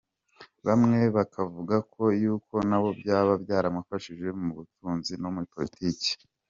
Bamwe bakavuga yuko nabyo byaba byaramufashije mu butunzi no muri politike.